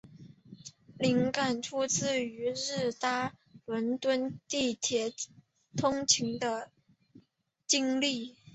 灵感出自平日搭伦敦地铁通勤的经验。